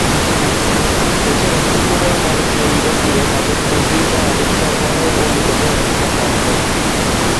এছাড়াও শূকরের মাংস ইউরোপ জুড়ে তাদের প্রোটিন বা আমিষ সরবরাহের অন্যতম একটা মাধ্যম।